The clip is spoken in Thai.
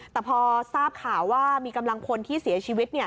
แต่พอทราบข่าวว่ามีกำลังพลที่เสียชีวิต